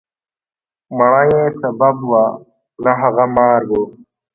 مڼه یې سبب وه، نه هغه مار و.